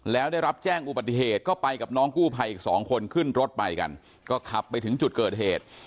แล้วได้รับแจ้งอุบัติเหตุก็ไปกับน้องกู้ภัยอีกสองคนขึ้นรถไปกันก็ขับไปถึงจุดเกิดเหตุ